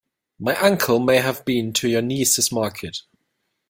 My uncle may have been to your niece's market.